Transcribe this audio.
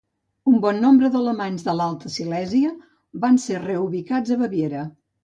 Un bon nombre d'alemanys de l'Alta Silèsia van ser reubicats a Baviera.